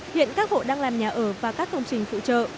hiện các hộ đang làm nhà ở và các công trình phụ trợ